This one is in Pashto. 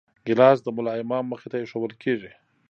ګیلاس د ملا امام مخې ته ایښوول کېږي.